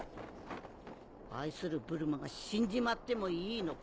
愛するブルマが死んじまってもいいのか？